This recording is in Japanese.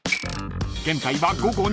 ［現在は］